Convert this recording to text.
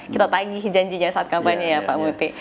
kita tagih janjinya saat kampanye ya pak muti